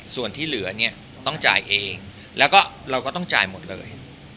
ส่วนที่เหลือเนี่ยต้องจ่ายเองแล้วก็เราก็ต้องจ่ายหมดเลย